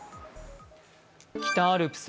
北アルプス